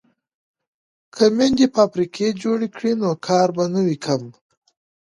که میندې فابریکه جوړ کړي نو کار به نه وي کم.